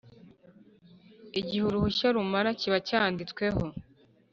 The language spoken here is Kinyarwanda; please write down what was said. igihe uruhushya rumara kiba cyanditsweho